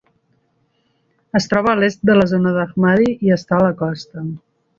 Es troba a l'est de la zona d'Ahmadi i està a la costa.